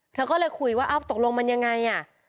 เธอก็เลยคุยว่าเอ้าตกลงมันยังไงอ่ะ